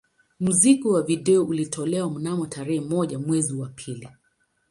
Muziki wa video ulitolewa mnamo tarehe moja mwezi wa pili